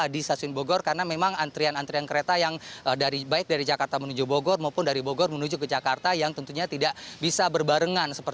dan ini bisa dikatakan cukup